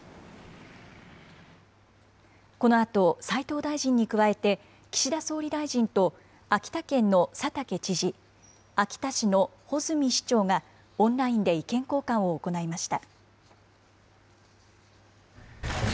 このあと、斉藤大臣に加えて、岸田総理大臣と秋田県の佐竹知事、秋田市の穂積市長がオンラインで意見交換を行いました。